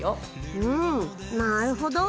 うんなるほど。